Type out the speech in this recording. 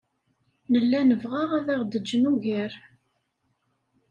Nella nebɣa ad aɣ-d-jjen ugar.